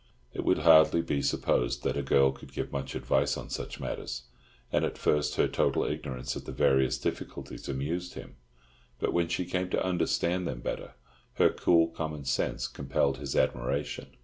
It would hardly be supposed that a girl could give much advice on such matters, and at first her total ignorance of the various difficulties amused him; but when she came to understand them better, her cool common sense compelled his admiration.